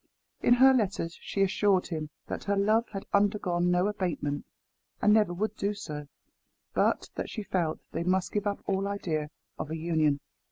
In her letters, she assured him that her love had undergone no abatement and never would do so but that she felt they must give up all idea of an union.